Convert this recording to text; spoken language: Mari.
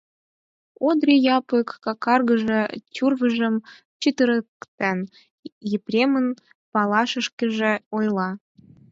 Ондри Япык, какаргыше тӱрвыжым чытырыктен, Епремын пылышышкыже ойла: